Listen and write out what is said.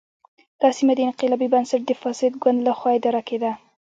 دا سیمه د انقلابي بنسټ د فاسد ګوند له خوا اداره کېده.